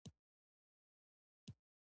افغانستان کې د تالابونو په اړه زده کړه کېږي.